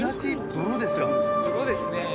泥ですね